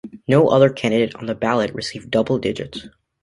No other candidate on the ballot received double digits.